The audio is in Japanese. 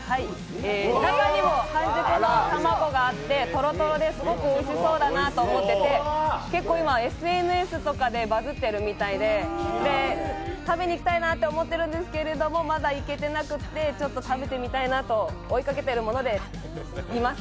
中にも半熟の卵があってすごくおいしそうだなと思ってて結構今、ＳＮＳとかでバズってるみたいで、食べにいきたいなと思っているんですけれども、まだ行けてなくてちょっと食べてみたいなと追いかけています。